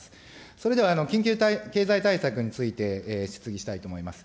それでは緊急経済対策について、質疑したいと思います。